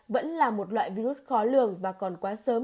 vẫn là một loại virus khó lường và còn quá sớm